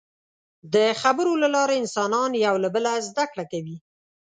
د خبرو له لارې انسانان یو له بله زدهکړه کوي.